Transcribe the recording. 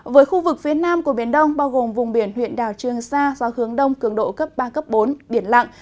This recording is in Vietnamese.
với khu vực phía nam của biển đông bao gồm vùng biển huyện đảo trương sa gió hướng đông cường độ cấp ba bốn biển lặng